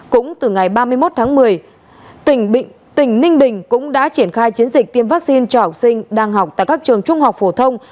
cũng từ ngày ba mươi một tháng một mươi tỉnh ninh bình cũng đã triển khai chiến dịch tiêm vaccine cho học sinh đang học tại các trường trung học phổ thông